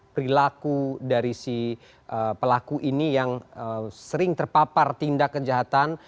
perilaku dari si pelaku ini yang sering terpapar tindak kejahatan